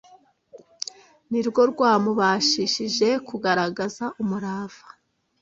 ni rwo rwamubashishije kugaragaza umurava